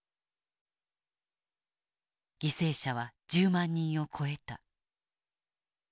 犠牲者は１０万人を超えた。